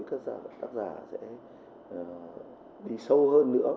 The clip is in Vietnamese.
các tác giả sẽ đi sâu hơn nữa